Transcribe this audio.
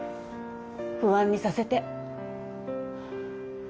不安にさせて。